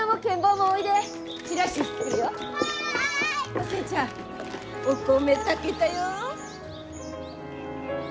お寿恵ちゃんお米炊けたよ！